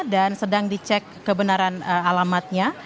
dan sedang dicek kebenaran alamatnya